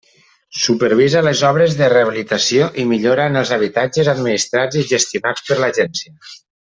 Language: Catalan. Supervisa les obres de rehabilitació i millora en els habitatges administrats i gestionats per l'Agència.